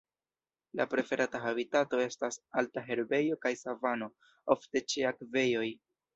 La preferata habitato estas alta herbejo kaj savano, ofte ĉe akvejoj.